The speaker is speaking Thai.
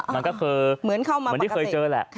มันก็คือเหมือนที่เคยเจอแหละ